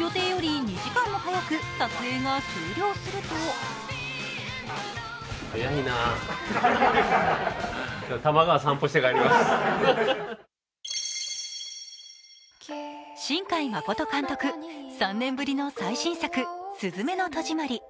予定より２時間も早く撮影が終了すると新海誠監督、３年ぶりの最新作「すずめの戸締まり」。